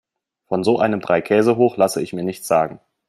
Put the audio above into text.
Von so einem Dreikäsehoch lasse ich mir nichts sagen.